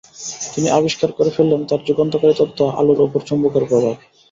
তিনি আবিষ্কার করে ফেললেন তার যুগান্তকারী তত্ত্ব আলোর ওপর চুম্বকের প্রভাব।